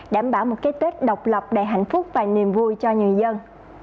đảm bảo một cái tết độc lập đầy hạnh phúc và niềm vui cho người dân